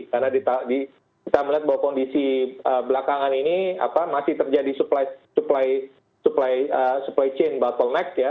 karena kita melihat bahwa kondisi belakangan ini masih terjadi supply chain bottleneck ya